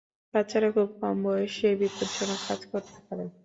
বাচ্চারা খুব কম বয়সেই বিপজ্জনক কাজ করতে পারে।